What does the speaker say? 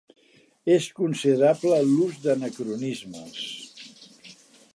És considerable l'ús d'anacronismes.